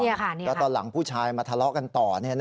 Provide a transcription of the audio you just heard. แล้วตอนหลังผู้ชายมาทะเลาะกันต่อ